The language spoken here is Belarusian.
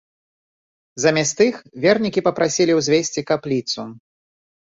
Замест іх вернікі папрасілі ўзвесці капліцу.